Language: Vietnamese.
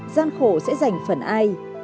giang khổ sẽ dành phần ai